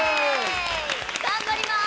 頑張ります！